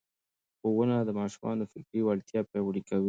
ښوونه د ماشوم فکري وړتیا پياوړې کوي.